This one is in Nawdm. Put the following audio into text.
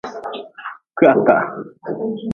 Kwihataha.